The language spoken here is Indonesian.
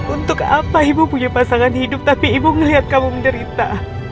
untuk apa ibu punya pasangan hidup tapi ibu melihat kamu menderita